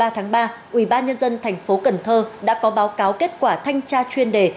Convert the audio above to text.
tháng ba ủy ban nhân dân thành phố cần thơ đã có báo cáo kết quả thanh tra chuyên đề